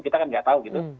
kita kan nggak tahu gitu